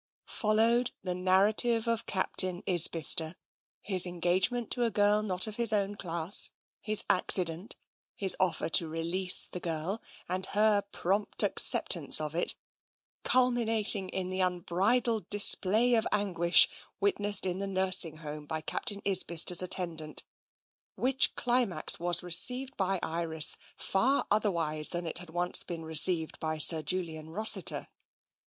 Followed the narrative of Captain Isbister, his en gagement to a girl not of his own class, his accident, his offer to release the girl, and her prompt acceptance of it, culminating in the unbridled display of anguish witnessed in the nursing home by Captain Isbister's at tendant, which climax was received by Iris far other wise than it had once been received by Sir Julian Ros siter.